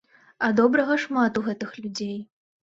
А добрага шмат у гэтых людзей.